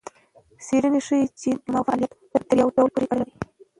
څېړنه ښيي چې د دماغ فعالیت د بکتریاوو ډول پورې اړه لري.